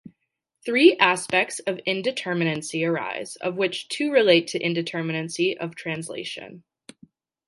Three aspects of indeterminacy arise, of which two relate to indeterminacy of translation.